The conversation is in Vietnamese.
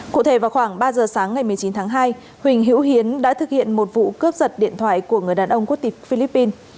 cụ thể vào khoảng ba giờ sáng ngày một mươi chín tháng hai huỳnh hữu hiến đã thực hiện một vụ cướp giật điện thoại của người đàn ông quốc tịch philippines